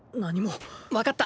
わかった。